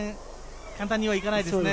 簡単にはいかないですね。